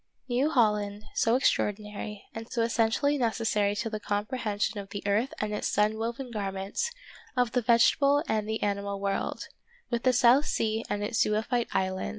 New Holland, so extraordinary, and so essentially necessary to the comprehension of the earth and its sun woven garment, of the vegetable and the animal world, with the South Sea and its zoophyte islands.